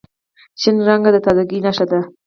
شین رنګ د تازګۍ نښه ده.